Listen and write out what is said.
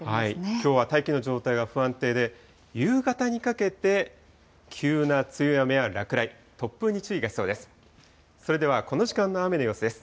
きょうは大気の状態が不安定で、夕方にかけて、急な強い雨や落雷、突風に注意が必要です。